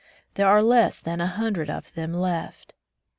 There are less than a hundred of them left